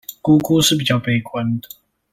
姑姑是比較悲觀的